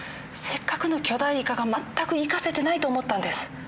せっかくの巨大イカが全く生かせてないと思ったんです。